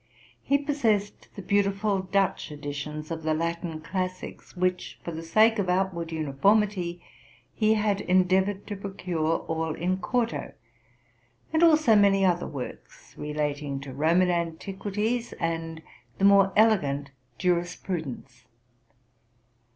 He possessed the beautiful Dutch editions of the Latin classics, which, for the sake of outward uniformity, he had endeay 24 TRUTH AND FICTION ored to procure all in quarto; and also many other works relating to Roman antiquities and the more elegant jurispru dence.